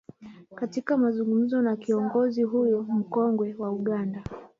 katika mazungumzo na kiongozi huyo mkongwe wa Uganda